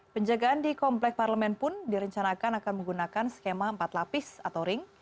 penjagaan di komplek parlemen pun direncanakan akan menggunakan skema empat lapis atau ring